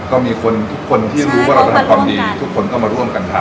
ก็มีคนที่รู้ว่าแต่มันก็มาร่วมกันทำ